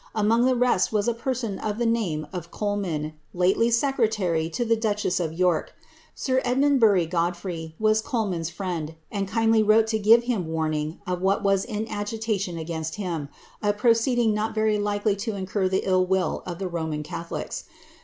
Among the rest was a person of the name of Coleman, lately secretary to the duchen of York Sir Edmundbury Godfrey was Coleroan^s friend, and kindly wrote to give him warning of what was in agitation against him— a proceeding not very likely to incur the ill will of the Roman catholica.